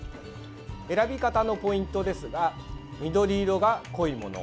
選び方のポイントですが緑色が濃いもの